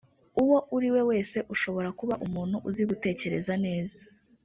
uwo uriwe wese ushobora kuba umuntu uzi gutekereza neza”